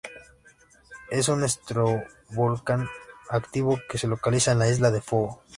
Es un estratovolcán activo que se localiza en la isla de Fogo.